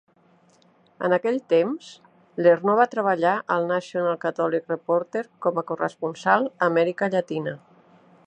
En aquell temps, Lernoux va treballar al "National Catholic Reporter" com a corresponsal a Amèrica Llatina.